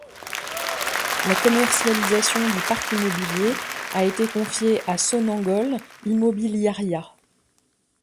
La commercialisation du parc immobilier a été confiée à Sonangol Imobiliaria.